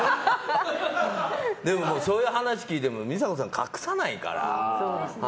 でも、そういう話を聞いても美佐子さん、隠さないから。